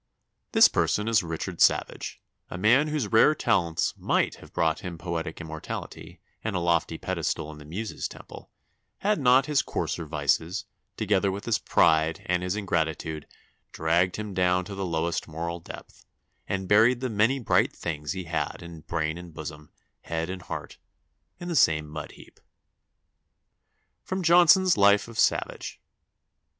This person is Richard Savage, a man whose rare talents might have brought him poetic immortality, and a lofty pedestal in the muse's temple, had not his coarser vices, together with his pride and his ingratitude, dragged him down to the lowest moral depth, and buried the many bright things he had in brain and bosom, head and heart, in the same mud heap." [Sidenote: Johnson's Life of Savage.